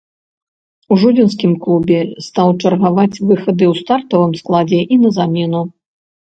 У жодзінскім клубе стаў чаргаваць выхады ў стартавым складзе і на замену.